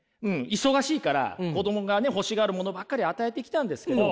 忙しいから子供が欲しがるものばっかり与えてきたんですけど